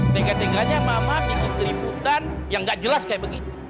tegak tegaknya mama bikin keributan yang gak jelas kayak begini